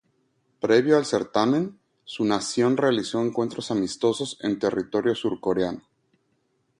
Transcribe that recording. Previo al certamen, su nación realizó encuentros amistosos en territorio surcoreano.